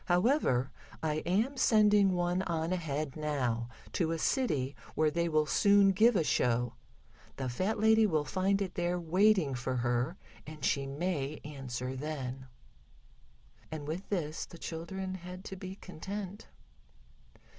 However, I am sending one on ahead now, to a city where they will soon give a show. The fat lady will find it there waiting for her, and she may answer then." And with this the children had to be content.